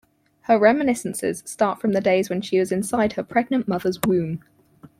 Her remniscences start from the days when she was inside her pregnant mother's womb.